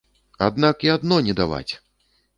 Аднак і адно не даваць!